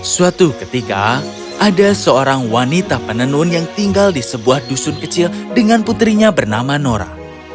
suatu ketika ada seorang wanita penenun yang tinggal di sebuah dusun kecil dengan putrinya bernama nora